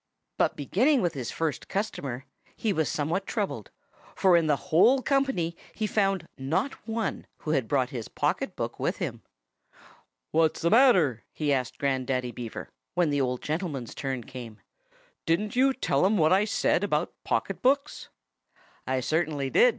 But beginning with his first customer, he was somewhat troubled; for in the whole company he found not one who had brought his pocket book with him. "What's the matter?" he asked Grandaddy Beaver, when the old gentleman's turn came. "Didn't you tell 'em what I said about pocket books?" "I certainly did!"